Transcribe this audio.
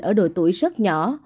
ở độ tuổi rất nhỏ